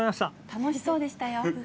楽しそうでしたよ。